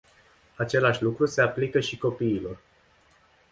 Același lucru se aplică și copiilor.